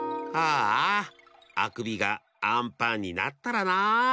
ああくびがあんパンになったらなあ。